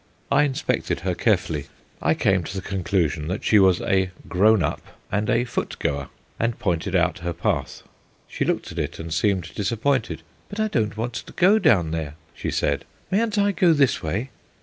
I inspected her carefully. I came to the conclusion that she was a "grown up" and a "foot goer," and pointed out her path. She looked at it, and seemed disappointed. "But I don't want to go down there," she said; "mayn't I go this way?"